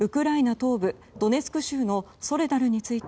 東部ドネツク州のソレダルについて